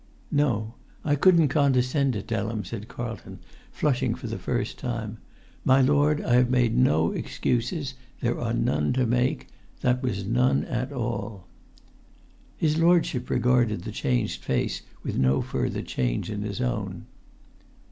"No; I couldn't condescend to tell him," said Carlton, flushing for the first time. "My lord, I have made no excuses. There are none to make. That was none at all." His lordship regarded the changed face with no further change in his own.